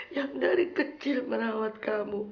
yang dari kecil merawat kamu